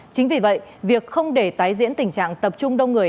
chính vì vậy việc không để tái diễn tình trạng tập trung đông người